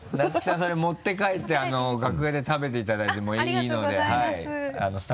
それ持って帰って楽屋で食べていただいてもいいので。